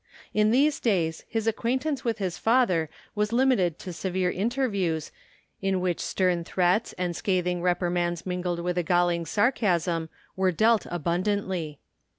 In these days his acquaintance with his 141 THE FINDING OF JASPER HOLT father was limited to severe interviews in whidi stem threats and scathing reprimands mingled with a galling sarcasm were dealt abundantly.